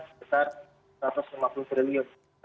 sebesar satu ratus lima puluh triliun